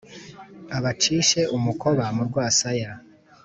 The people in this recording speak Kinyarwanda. abacishe umukoba mu rwasaya,